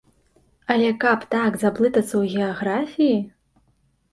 Але каб так заблытацца ў геаграфіі!